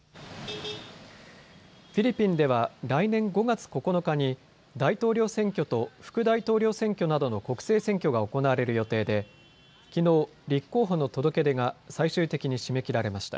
フィリピンでは来年５月９日に大統領選挙と副大統領選挙などの国政選挙が行われる予定できのう立候補の届け出が最終的に締め切られました。